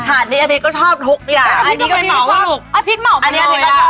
อันนี้ก็ชอบอภิษเหมาะมากเลย